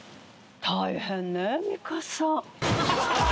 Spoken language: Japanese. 大変ね美香さん。